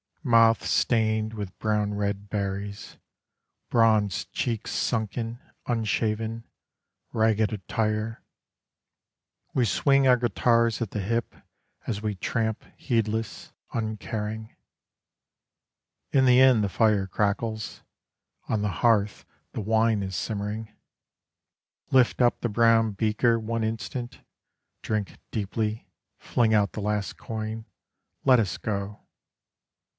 Mouths stained with brown red berries, Bronzed cheeks sunken, unshaven, Ragged attire; We swing our guitars at the hip As we tramp heedless, uncaring. In the inn the fire crackles: On the hearth the wine is simmering. Lift up the brown beaker one instant, Drink deeply fling out the last coin let us go.